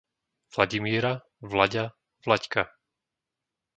Vladimíra, Vlaďa, Vlaďka